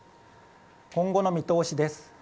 今後の見通しです。